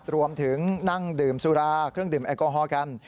รวมถึงนั่งดื่มสุราเครื่องดื่มแอลกอฮอลกัน